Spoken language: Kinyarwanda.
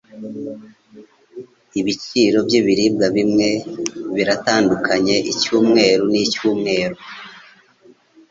Ibiciro byibiribwa bimwe biratandukanye icyumweru nicyumweru.